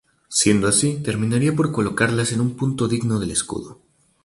Siendo así, terminaría por colocarlas en un punto digno del escudo.